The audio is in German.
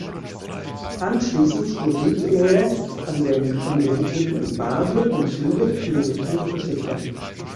Anschließend studierte er an den Universitäten in Basel und Zürich Philosophie und Geschichte.